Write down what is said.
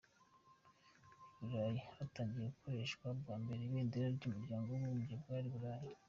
I Burayi hatangiye gukoreshwa bwa mbere ibendera ry’umuryango w’ubumwe bw’i Burayi.